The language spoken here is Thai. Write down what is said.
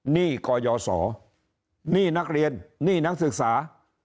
หนี้กยศหนี้นักเรียนหนี้นักศึกษา